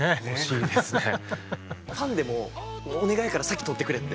ファンでもお願いやから先取ってくれって。